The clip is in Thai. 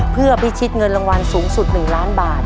เพื่อพิชิตเงินรางวัลสูงสุด๑ล้านบาท